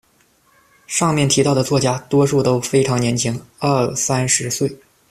上面提到的作家，多数都非常年轻，二三十岁。